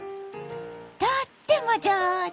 とっても上手！